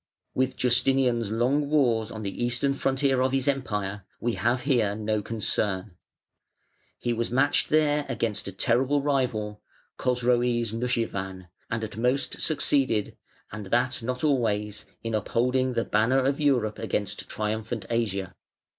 _ With Justinian's long wars on the Eastern frontier of his Empire we have here no concern. He was matched there against a terrible rival, Chosroes Nushirvan, and at most succeeded (and that not always) in upholding the banner of Europe against triumphant Asia.